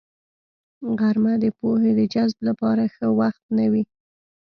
غرمه د پوهې د جذب لپاره ښه وخت نه وي